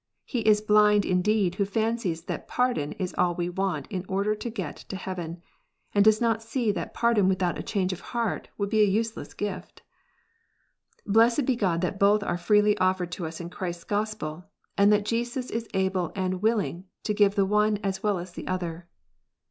He is blind indeed who fancies that pardon is all we want in order to get to heaven, and does not see that pardon without a change of heart would fe a useless gift. Blessed be God that both are freely offered to us in Christ s Gospel, and that Jesus is able and will ing to give the one as well as the other